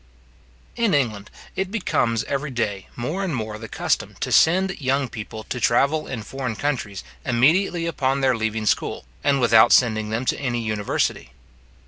In England, it becomes every day more and more the custom to send young people to travel in foreign countries immediately upon their leaving school, and without sending them to any university.